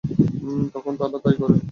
তখন তারা তাই করে।